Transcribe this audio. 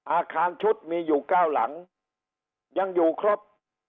อาคารชุดมีอยู่๙หลังยังอยู่ครบ